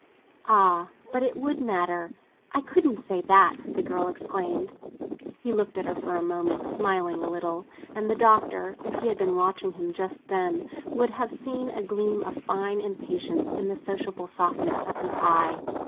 '" "Ah, but it would matter; I couldn't say that!" the girl exclaimed. He looked at her for a moment, smiling a little; and the Doctor, if he had been watching him just then, would have seen a gleam of fine impatience in the sociable softness of his eye.